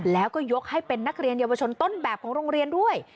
แล้วก็ยกให้เป็นนักเรียนเยาวชนต้นแบบของโรงเรียนด้วย